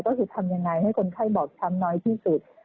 ก็คือทำยังไงให้คนไข้บอบช้ำน้อยที่สุด